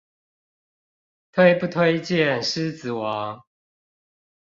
推不推薦獅子王